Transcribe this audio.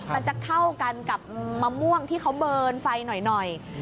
มันจะเข้ากันกับมะม่วงที่เขาเบิร์นไฟหน่อย